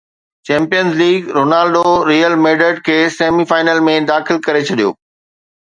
champions league Ronaldo Real Madrid کي semi final ۾ داخل ڪري ڇڏيو